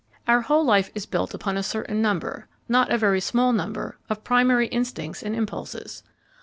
Our whole life is built about a certain number not a very small number of primary instincts and impulses.